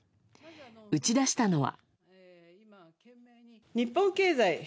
打ち出したのは。